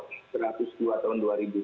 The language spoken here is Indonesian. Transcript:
satu ratus dua tahun dua ribu dua puluh